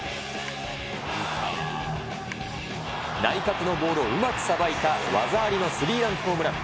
内角のボールをうまくさばいた技ありのスリーランホームラン。